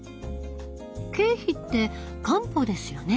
桂皮って漢方ですよね。